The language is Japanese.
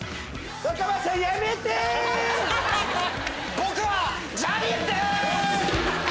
僕はジャニーズです‼